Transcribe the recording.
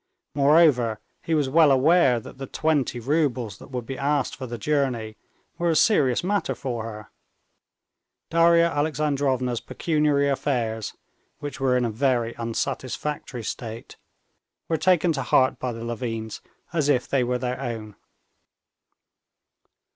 Moreover, he was well aware that the twenty roubles that would be asked for the journey were a serious matter for her; Darya Alexandrovna's pecuniary affairs, which were in a very unsatisfactory state, were taken to heart by the Levins as if they were their own.